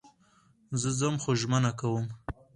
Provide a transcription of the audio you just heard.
زه ځم خو ژمنه کوم